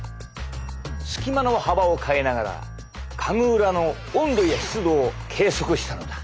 隙間の幅を変えながら家具裏の温度や湿度を計測したのだ。